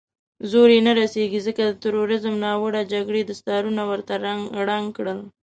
زور يې نه رسېږي، ځکه د تروريزم ناروا جګړې دستارونه ورته ړنګ کړل.